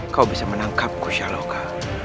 kau bisa menangkapku shaloka